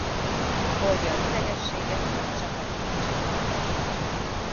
Oldja az idegességet és a feszültséget.